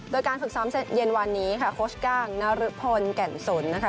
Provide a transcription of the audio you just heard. โดยการฝึกซ้อมเสร็จเย็นวันนี้ค่ะโค้ชก้างนรพลแก่นสนนะคะ